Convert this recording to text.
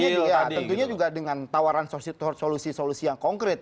iya tentunya juga dengan tawaran solusi solusi yang konkret